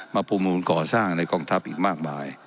ประมูลก่อสร้างในกองทัพอีกมากมาย